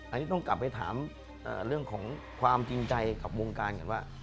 อันนี้ต้องกลับไปถามเรื่องของความจริงใจกับวงการก่อนว่า